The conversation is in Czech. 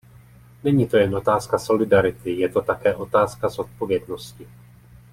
Není to jen otázka solidarity; je to také otázka zodpovědnosti.